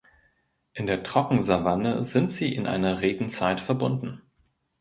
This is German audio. In der Trockensavanne sind sie in einer Regenzeit verbunden.